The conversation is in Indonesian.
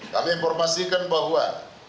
kami informasikan bahwa